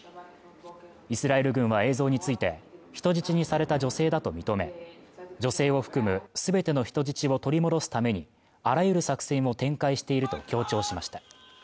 イスラエル軍は映像について人質にされた女性だと認め女性を含むすべての人質を取り戻すためにあらゆる作戦を展開していると強調しました